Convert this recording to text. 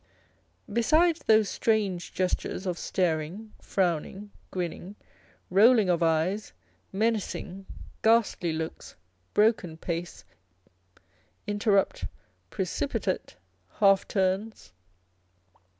Besides those strange gestures of staring, frowning, grinning, rolling of eyes, menacing, ghastly looks, broken pace, interrupt, precipitate, half turns.